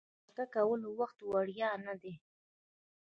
د مرکه کولو وخت وړیا نه دی.